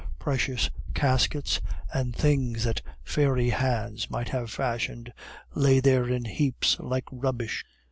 Precious caskets, and things that fairy hands might have fashioned, lay there in heaps like rubbish.